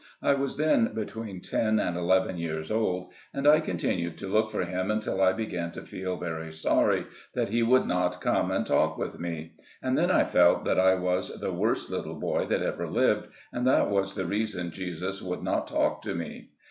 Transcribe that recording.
I was then between ten and eleven years old, and I continued to look for Him until I began 10 SLAVE CABIN TO PULPIT: to feel very sorry that He would not come and talk with me ; and then I felt that I was the worst lit tle boy that ever lived, and that was the reason Jesus would not talk to me.